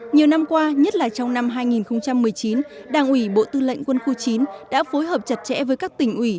nhiều năm qua nhất là trong năm hai nghìn một mươi chín đảng ủy bộ tư lệnh quân khu chín đã phối hợp chặt chẽ với các tỉnh ủy